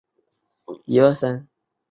本鱼分布于印度洋及太平洋海域。